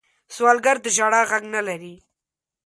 سوالګر د ژړا غږ نه لري